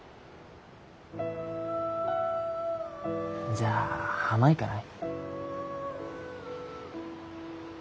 じゃあ浜行かない？